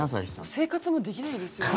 生活もできないですよね。